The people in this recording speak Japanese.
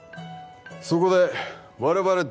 そこで我々